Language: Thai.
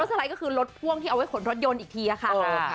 เออรถคือรถพ่วงที่เอาไว้ขนรถยนต์อีกทีล่ะค่ะเออ